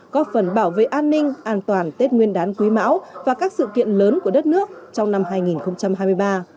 có phần bảo vệ an ninh an toàn tết nguyên đán quý mão và các sự kiện lớn của đất nước trong năm hai nghìn hai mươi ba